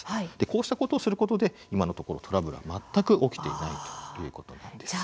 こうしたことをすることで今のところトラブルは全く起きていないということなんです。